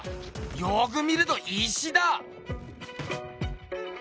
よく見ると石だ！